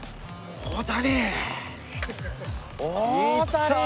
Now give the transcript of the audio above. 大谷。